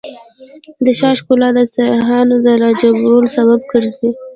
د ښار ښکلا د سیاحانو د راجلبولو سبب ګرځي.